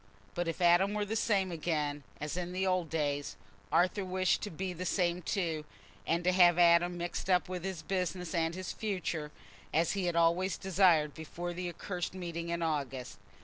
But if Adam were the same again as in the old days, Arthur wished to be the same too, and to have Adam mixed up with his business and his future, as he had always desired before the accursed meeting in August.